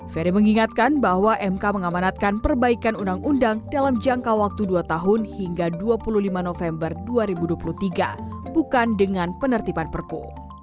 ferry mengingatkan bahwa mk mengamanatkan perbaikan undang undang dalam jangka waktu dua tahun hingga dua puluh lima november dua ribu dua puluh tiga bukan dengan penertiban perpu